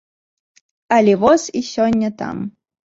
Але воз і сёння там.